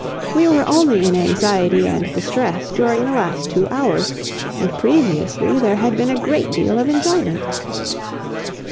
We were only in anxiety and distress during the last two hours, and previously there had been a great deal of enjoyment.